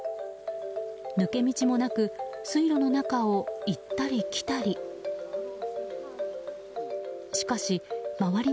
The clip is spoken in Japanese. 抜け道もなく水路の中を行ったり来たり。